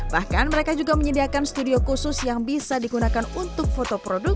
bahkan mereka juga menyediakan studio khusus yang bisa digunakan untuk foto produk